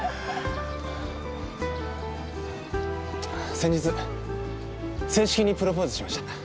先日正式にプロポーズしました。